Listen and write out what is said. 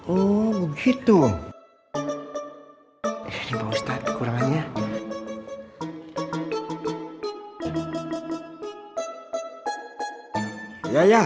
o gitu ini ustadz kekurangannya